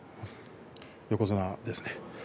横綱ですね。